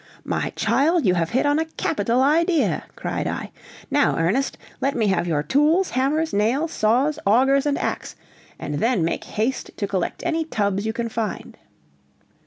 "My child, you have hit on a capital idea," cried I. "Now, Ernest, let me have your tools, hammers, nails, saws, augers, and ax; and then make haste to collect any tubs you can find!"